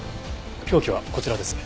凶器はこちらです。